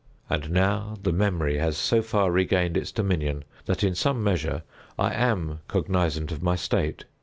And now the memory has so far regained its dominion, that, in some measure, I am cognizant of my state.